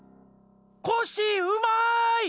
コッシーうまい！